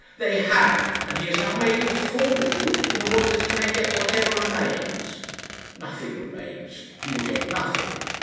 "They have; and he is now making a fool of you in order that he may get whatever remains." "Nothing remains. He will get nothing."